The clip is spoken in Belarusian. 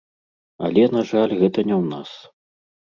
Але, на жаль, гэта не ў нас.